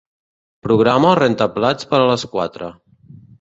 Programa el rentaplats per a les quatre.